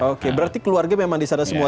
oke berarti keluarga memang di sana semua